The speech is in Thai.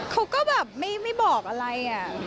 เขาก็แบบไม่บอกอะไร